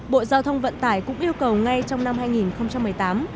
bộ giao thông vận tải cũng yêu cầu ngay trong năm hai nghìn một mươi tám